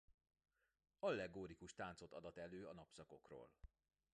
Allegorikus táncot adat elő a napszakokról.